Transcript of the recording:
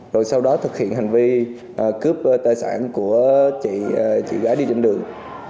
rồi sau đó thực hiện hành vi cướp tài sản của chị chị gái đi trên đường